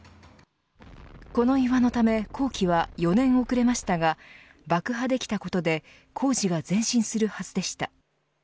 この岩のため工期は４年遅れましたが爆破できたことで工事が前進するはずでした。